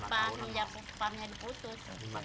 jepang jepang yang diputus